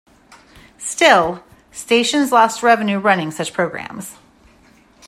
Still, stations lost revenue running such programs.